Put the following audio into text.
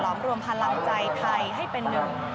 รวมรวมพลังใจไทยให้เป็นหนึ่ง